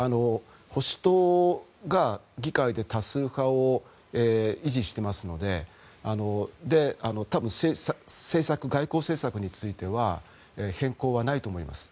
保守党が議会で多数派を維持してますので多分、外交政策については変更はないと思います。